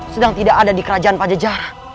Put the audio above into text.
sedang tidak ada di kerajaan pajajar